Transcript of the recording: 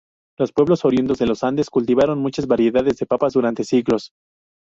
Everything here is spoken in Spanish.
Los pueblos oriundos de los Andes cultivaron muchas variedades de papas durante siglos.